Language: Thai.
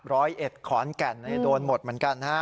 ร้อยเอ็ดขอนแก่นโดนหมดเหมือนกันฮะ